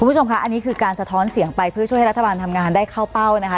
คุณผู้ชมค่ะอันนี้คือการสะท้อนเสียงไปเพื่อช่วยให้รัฐบาลทำงานได้เข้าเป้านะคะ